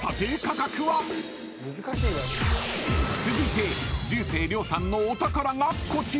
［続いて竜星涼さんのお宝がこちら］